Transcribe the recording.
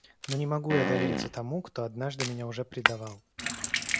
Ну не могу я довериться тому, кто однажды меня уже предавал.